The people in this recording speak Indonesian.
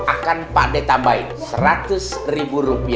akan pak d tambahin seratus rupiah